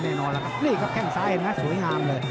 และก็แข้งสายเองนะสวยงามเลย